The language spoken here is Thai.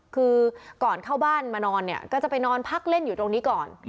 คือก่อนเข้าบ้านมานอนเนี่ยก็จะไปนอนพักเล่นอยู่ตรงนี้ก่อน